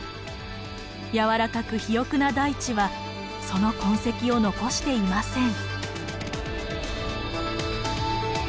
やわらかく肥沃な大地はその痕跡を残していません。